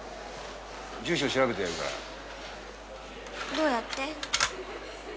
どうやって？